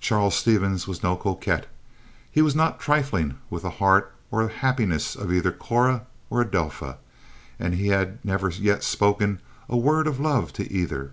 Charles Stevens was no coquette. He was not trifling with the heart or happiness of either Cora or Adelpha, and he had never yet spoken a word of love to either.